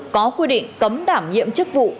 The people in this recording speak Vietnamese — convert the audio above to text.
có quy định cấm đảm nhiệm chức vụ